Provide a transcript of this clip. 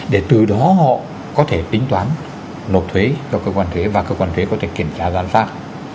để từ đó họ có thể tính toán nộp thuế cho cơ quan thuế và cơ quan thuế có thể kiểm tra giám sát